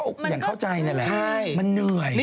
แต่ก็อย่างเข้าใจนั่นแหละมันเหนื่อยใช่